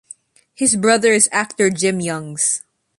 His brother is actor Jim Youngs.